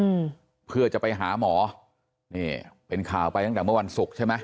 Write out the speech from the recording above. อืมเพื่อจะไปหาหมอนี่เป็นข่าวไปตั้งแต่เมื่อวันศุกร์ใช่ไหม